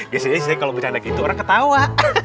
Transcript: ya biasanya kalau bercanda gitu orang ketawa